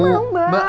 gak mau mbak